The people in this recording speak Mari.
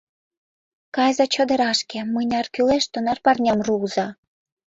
Кайыза чодырашке, мыняр кӱлеш, тунар пырням руыза.